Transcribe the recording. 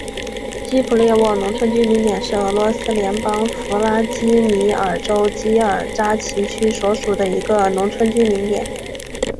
基普列沃农村居民点是俄罗斯联邦弗拉基米尔州基尔扎奇区所属的一个农村居民点。